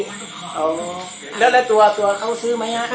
แล้วหรือตัวเกี่ยวกับตัวของเขาซื้อไหมไง